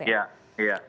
ya ya gitu aja